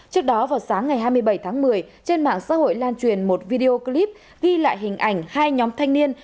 trước đó vào sáng ngày hai mươi bảy tháng một mươi trên mạng xã hội lan truyền một video clip ghi lại hình ảnh hai nhóm thanh niên